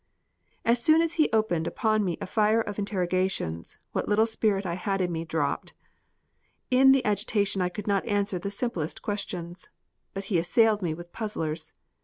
As soon as he opened upon me a fire of interrogations, what little spirit I had in me dropped. In the agitation I could not answer the simplest questions. But he assailed me with puzzlers.